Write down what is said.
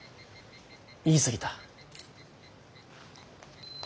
言い過ぎた。